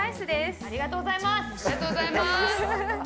ありがとうございます。